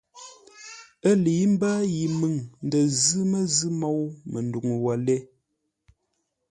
Ə́ lə̌i mbə́ yi məŋ ndə zʉ́ məzʉ̂ môu Manduŋ wə́ lə́ lée.